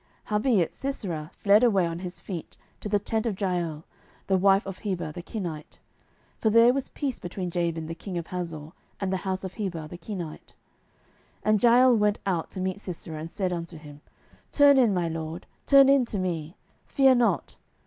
07:004:017 Howbeit Sisera fled away on his feet to the tent of Jael the wife of Heber the Kenite: for there was peace between Jabin the king of Hazor and the house of Heber the Kenite. 07:004:018 And Jael went out to meet Sisera, and said unto him, Turn in, my lord, turn in to me; fear not.